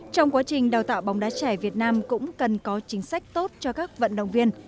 trong quá trình đào tạo bóng đá trẻ việt nam cũng cần có chính sách tốt cho các vận động viên